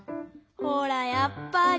ほらやっぱり。